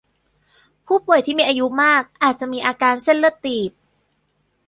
ผู้ป่วยที่อายุมากอาจมีอาการเส้นเลือดตีบ